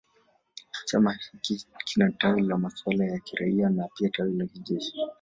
Chama hiki kina tawi la masuala ya kiraia na pia tawi la kijeshi.